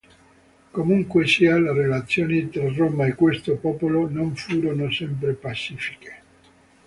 Comunque sia, le relazioni tra Roma e questo popolo non furono sempre pacifiche.